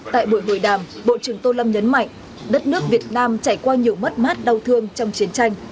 tại buổi hội đàm bộ trưởng tô lâm nhấn mạnh đất nước việt nam trải qua nhiều mất mát đau thương trong chiến tranh